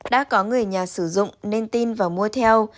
đã có người nhà sử dụng nên tin và mua theo